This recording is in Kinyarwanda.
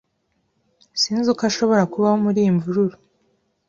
Sinzi uko ashobora kubaho muriyi mvururu.